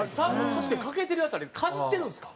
確かに欠けてるやつあれかじってるんですか？